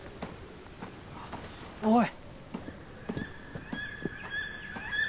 おい！